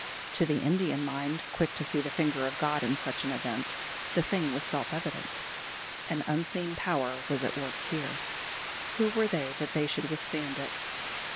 To the Indian mind, quick to see the finger of God in such an event, the thing was self evident. An unseen Power was at work here. Who were they that they should withstand it?